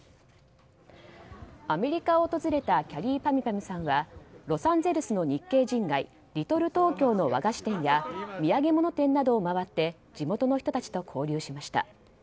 アメリカを訪れたきゃりーぱみゅぱみゅさんはロサンゼルスの日系人街リトル・トーキョーの和菓子店や土産物店などを回って地元の人たちと交流しました。